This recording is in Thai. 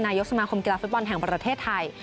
นายกสมาคมกีฬาฟุตบอลแห่งประเทศไทย